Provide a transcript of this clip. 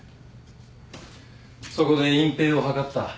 そこで隠蔽を図った。